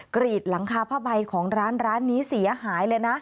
กรีดหลังคาผ้าใบของร้านร้านนี้เสียหายเลยนะ